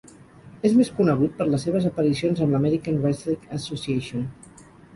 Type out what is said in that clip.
És més conegut per les seves aparicions amb l'American Wrestling Association.